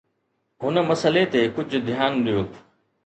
هن مسئلي تي ڪجهه ڌيان ڏيو.